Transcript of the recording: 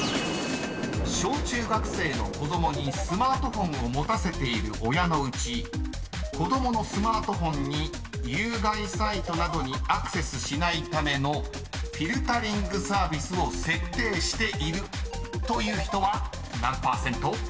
［小中学生の子供にスマートフォンを持たせている親のうち子供のスマートフォンに有害サイトなどにアクセスしないためのフィルタリングサービスを設定しているという人は何％？］